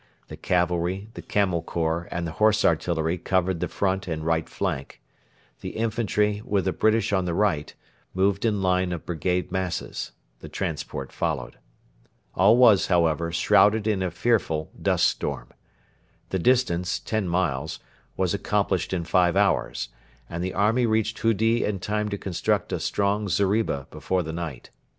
The cavalry, the Camel Corps, and the Horse Artillery covered the front and right flank; the infantry, with the British on the right, moved in line of brigade masses; the transport followed. All was, however, shrouded in a fearful dust storm. The distance, ten miles, was accomplished in five hours, and the army reached Hudi in time to construct a strong zeriba before the night.